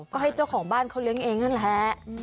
ก็ให้เจ้าของบ้านเขาเลี้ยงเองนั่นแหละ